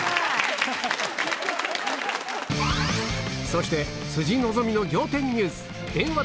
そして辻希美の仰天ニュース